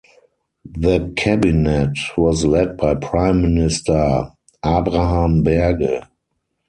The cabinet was led by Prime Minister Abraham Berge.